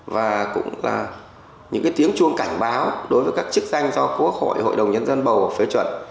và cũng là những tiếng chuông cảnh báo đối với các chức danh do quốc hội hội đồng nhân dân bầu và phê chuẩn